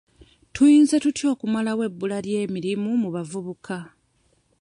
Tuyinza tutya okumalawo ebbula ly'emirimu mu bavubuka?